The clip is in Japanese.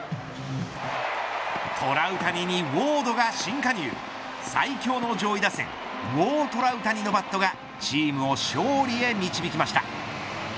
トラウタニにウォードが新加入最強の上位打線ウォートラウタニのバットがチームを勝利へ導きました。